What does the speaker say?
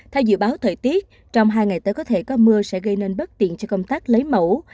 theo dự báo thời tiết trong hai ngày tới có thể có mưa sẽ gây nên bất tiện cho công tác lấy mẫu